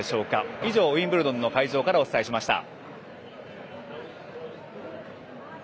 以上、ウィンブルドンの会場からお伝えしました。